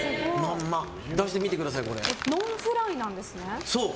ノンフライなんですね。